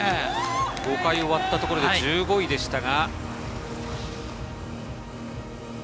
５回終わったところで１５位でしたが。